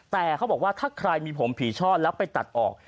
แต่เขาบอกว่าถ้าใครมีผมผีช่อแล้วไปตัดออก